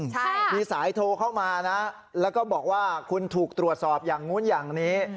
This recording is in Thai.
ใช่ค่ะมีสายโทรเข้ามานะแล้วก็บอกว่าคุณถูกตรวจสอบอย่างนู้นอย่างนี้